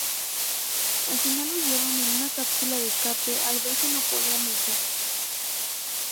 Al final huyeron en una cápsula de escape al ver que no podían vencerlos.